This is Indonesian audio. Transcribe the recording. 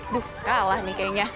duh kalah nih kayaknya